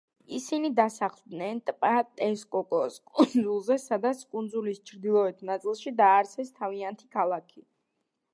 ისინი დასახლდნენ ტბა ტესკოკოს კუნძულზე, სადაც, კუნძულის ჩრდილოეთ ნაწილში, დააარსეს თავიანთი ქალაქი.